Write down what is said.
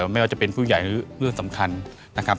ไม่ว่าจะเป็นผู้ใหญ่หรือเรื่องสำคัญนะครับ